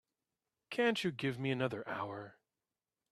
Can't you give me another hour?